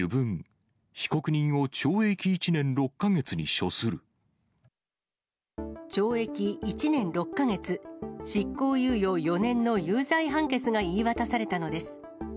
主文、懲役１年６か月、執行猶予４年の有罪判決が言い渡されたのです。